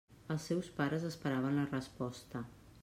Els seus pares esperaven la resposta.